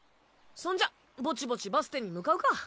そんじゃぼちぼちバステに向かうか。